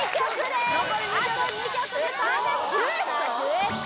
あと２曲でパーフェクトデュエット！？